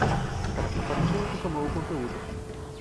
A caneca partiu e derramou o conteúdo.